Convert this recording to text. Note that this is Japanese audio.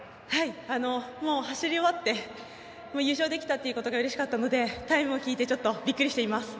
走り終わって優勝ができたことがうれしかったのでタイムを聞いてびっくりしています。